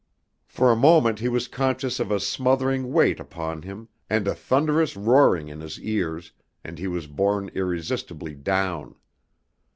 For a moment he was conscious of a smothering weight upon him and a thunderous roaring in his ears, and he was borne irresistibly down.